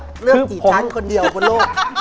ถ้าเลือกจีบฉันคนเดียวบนโลก